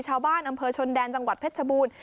ชาวบ้านอำเภอชนแดนจังหวัดเพชรชบูรณ์